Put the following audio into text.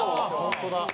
本当だ。